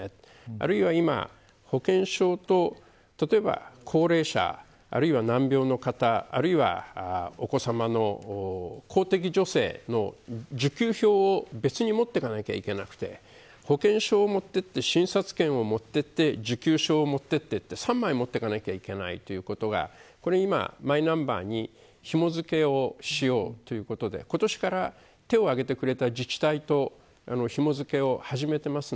あるいは今、保険証と例えば、高齢者、難病の方お子さまの公的助成の受給証を別に持っていかなきゃいけなくて保険証を持っていって診察券を持っていって受給証を持っていって３枚持っていかなくちゃいけないというのが今、マイナンバーにひも付けをしようということで今年から手を挙げてくれた自治体とひも付けを始めています。